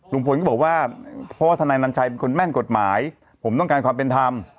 ลุงพลก็บอกว่าเพราะว่าทนายนัญชัยเป็นคนแม่นกฎหมายผมต้องการความเป็นธรรม